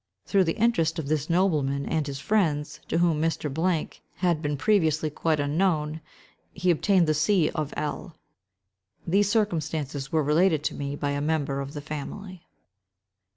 Through the interest of this nobleman and his friends, to whom Mr. —— had been previously quite unknown, he obtained the see of L——. These circumstances were related to me by a member of the family.